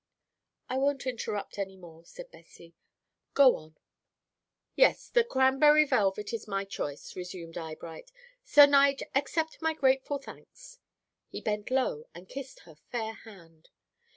"I won't interrupt any more," said Bessie; "go on." "'Yes, the cramberry velvet is my choice,'" resumed Eyebright. "'Sir Knight, accept my grateful thanks.' "He bent low and kissed her fair hand.